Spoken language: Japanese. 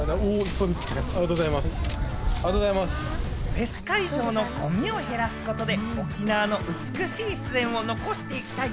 フェス会場のゴミを減らすことで、沖縄の美しい自然を残していきたい。